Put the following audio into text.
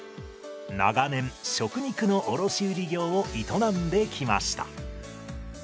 長年食肉の卸売業を営んできました。